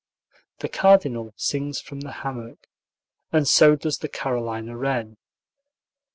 The cardinal sings from the hammock, and so does the Carolina wren.